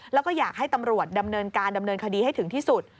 แล้วก็อยากให้ตำรวจดำเนินการดำเนินคดีให้ถึงที่สุด